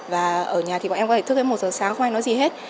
và ở nhà thì bọn em có thể thức đến một h sáng không ai nói gì hết